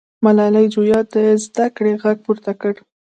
ملالۍ جویا د زده کړې غږ پورته کړ.